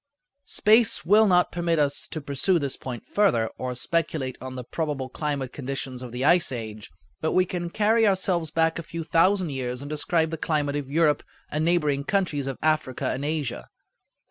Space will not permit us to pursue this point further, or speculate on the probable climatic conditions of the ice age; but we can carry ourselves back a few thousand years and describe the climate of Europe and neighboring countries of Africa and Asia.